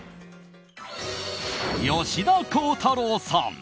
吉田鋼太郎さん。